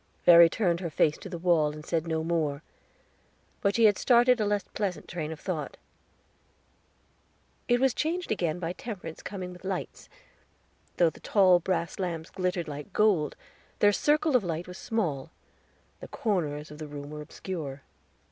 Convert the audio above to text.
Verry turned her face to the wall and said no more; but she had started a less pleasant train of thought. It was changed again by Temperance coming with lights. Though the tall brass lamps glittered like gold, their circle of light was small; the corners of the room were obscure.